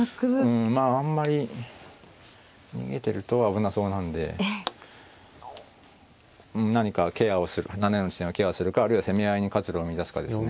うんまああんまり逃げてると危なそうなんで何か７四の地点をケアするかあるいは攻め合いに活路を見いだすかですね。